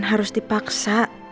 terus compose kalian semua